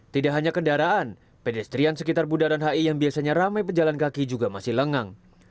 tidak hanya kendaraan pedestrian sekitar bundaran hi yang biasanya ramai pejalan kaki juga masih lengang